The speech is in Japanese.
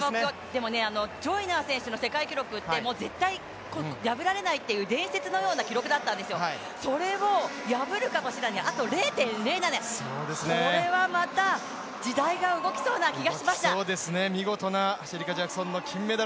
でもね、ジョイナー選手の世界記録って絶対破られないって伝説のような記録だったんですよ、それを破るかもしれない、あと０．０７、これはまた時代が動きそうな気がしました。